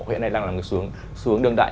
hiện nay đang là một cái xuống đương đại